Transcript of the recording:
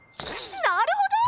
なるほど！